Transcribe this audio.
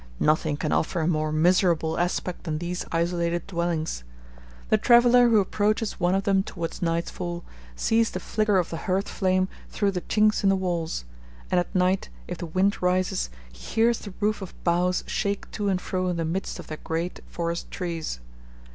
Nothing can offer a more miserable aspect than these isolated dwellings. The traveller who approaches one of them towards nightfall, sees the flicker of the hearth flame through the chinks in the walls; and at night, if the wind rises, he hears the roof of boughs shake to and fro in the midst of the great forest trees.